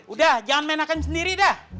udah jangan main akan sendiri dah